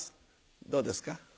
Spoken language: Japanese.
どうですか？